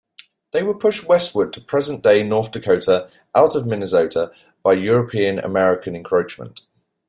They were pushed westward to present-day North Dakota out of Minnesota by European-American encroachment.